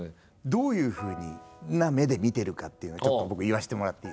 どういうふうな目で見てるかっていうのをちょっと僕言わせてもらっていい？